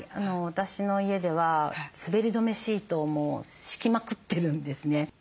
私の家では滑り止めシートを敷きまくってるんですね。